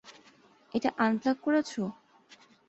এটা আনপ্লাগ করেছ?